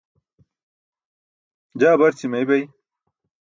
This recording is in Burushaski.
Jaa barći meybay.